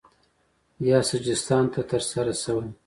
یا سجستان ته ترسره شوی